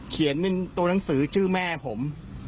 เขียนเป็นตัวหนังสือชื่อแม่ผม